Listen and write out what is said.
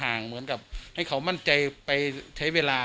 เขาถอยห่างเหมือนกับให้เขามั่นใจไปใช้เวลา